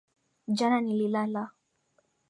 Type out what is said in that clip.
Jana nililala